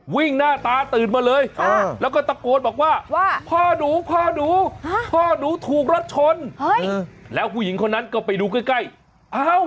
วิ่งหน้าตาตื่นมาเลยแล้วก็ตะโกดบอกว่าพ่อหนูพ่อหนูถูกรัดชนแล้วผู้หญิงคนนั้นก็ไปดูใกล้